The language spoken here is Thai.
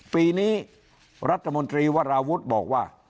ปีนี้รัฐมนตรีวราวุฒิบอกว่า